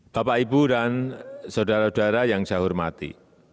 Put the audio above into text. bapak ibu dan saudara saudara yang saya hormati